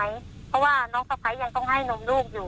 เพราะว่าน้องสะพ้ายยังต้องให้นมลูกอยู่